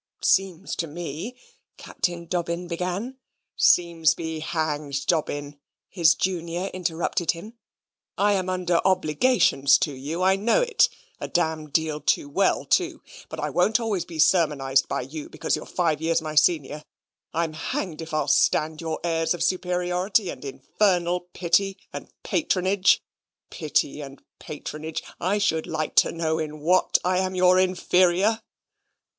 "It seems to me," Captain Dobbin began. "Seems be hanged, Dobbin," his junior interrupted him. "I am under obligations to you, I know it, a d d deal too well too; but I won't be always sermonised by you because you're five years my senior. I'm hanged if I'll stand your airs of superiority and infernal pity and patronage. Pity and patronage! I should like to know in what I'm your inferior?"